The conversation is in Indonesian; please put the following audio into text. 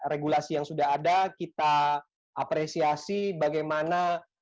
regulasi yang sudah ada kita apresiasi bagaimana